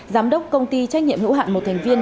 giám đốc công ty trách nhiệm hữu hạn một thành viên